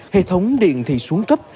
hệ thống điện thì xuống cấp